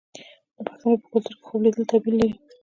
د پښتنو په کلتور کې خوب لیدل تعبیر لري.